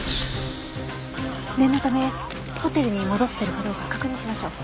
念のためホテルに戻ってるかどうか確認しましょう。